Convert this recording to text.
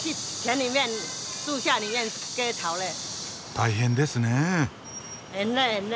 大変ですねえ。